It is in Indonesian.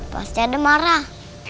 pasti ada yang marah